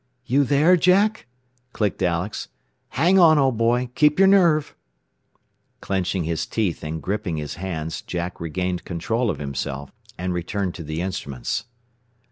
"You there, Jack?" clicked Alex. "Hang on, old boy. Keep your nerve." Clenching his teeth and gripping his hands Jack regained control of himself, and returned to the instruments.